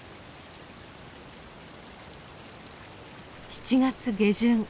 ７月下旬。